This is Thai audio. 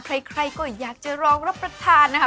ใครก็อยากจะรองรับประทานนะคะ